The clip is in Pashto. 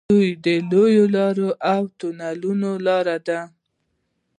دوی لویې لارې او تونلونه لري.